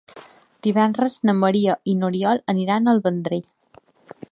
Divendres na Maria i n'Oriol iran al Vendrell.